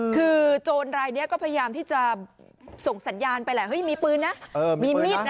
คือโจรรายนี้ก็พยายามที่จะส่งสัญญาณไปแหละเฮ้ยมีปืนนะมีมีดนะ